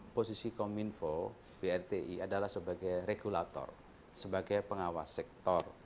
posisi kominfo brti adalah sebagai regulator sebagai pengawas sektor